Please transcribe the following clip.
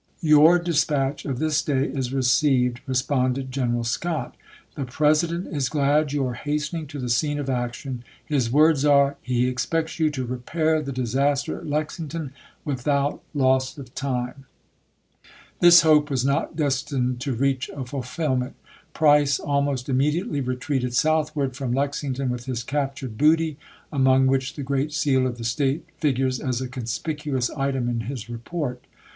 "Your dispatch of this day is re ceived," responded General Scott. " The President MILITARY EMANCIPATION 429 is glad you are hastening to the scene of action ; cn. xxiv. his words are, 'he expects you to repair the dis toFr6mo°nt. aster at Lexington without loss of time.' " islif V.^k. This hope was not destined to reach a fulfillment. p.iss. " Price almost immediately retreated southward from Lexington with his captured booty, among which the great seal of the State figures as a conspicuous item in his report.